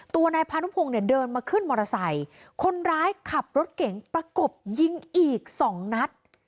นายพานุพงศ์เนี่ยเดินมาขึ้นมอเตอร์ไซค์คนร้ายขับรถเก๋งประกบยิงอีกสองนัด